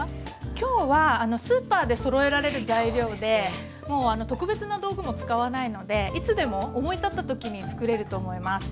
今日はスーパーでそろえられる材料でもう特別な道具も使わないのでいつでも思い立った時に作れると思います。